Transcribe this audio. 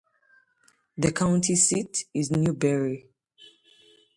The county seat is Newberry.